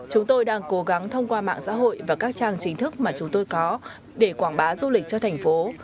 chúng tôi đang cố gắng thông qua mạng xã hội và các trang chính thức mà chúng tôi có để quảng bá du lịch cho thành phố